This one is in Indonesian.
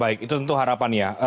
itu tentu harapan ya